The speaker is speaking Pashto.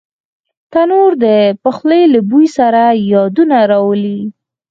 تنور د پخلي له بوی سره یادونه راولي